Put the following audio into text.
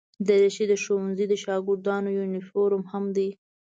دریشي د ښوونځي د شاګردانو یونیفورم هم وي.